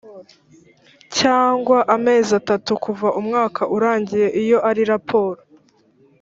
cyangwa amezi atatu kuva umwaka urangiye iyo ari raporo